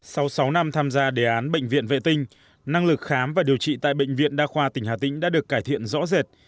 sau sáu năm tham gia đề án bệnh viện vệ tinh năng lực khám và điều trị tại bệnh viện đa khoa tỉnh hà tĩnh đã được cải thiện rõ rệt